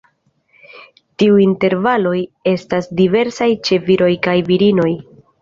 Tiuj intervaloj estas diversaj ĉe viroj kaj virinoj.